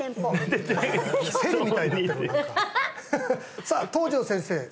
私さあ東條先生